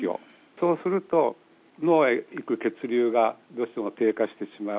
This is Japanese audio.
そうすると、脳へ行く血流が、どうしても低下してしまう。